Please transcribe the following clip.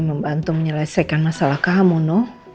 membantu menyelesaikan masalah kamu noh